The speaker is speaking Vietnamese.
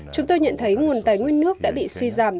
chúng tôi nhận thấy nguồn tài nguyên nước đã bị suy giảm